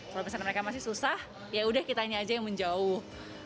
kalau misalnya mereka masih susah yaudah kita aja yang menjauh